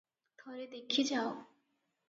ଥରେ ଦେଖି ଯାଅ!